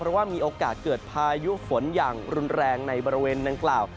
เพราะว่ามีโอกาสเกิดพายุฝนอย่างรุนแรงในบริเวณดังกล่าว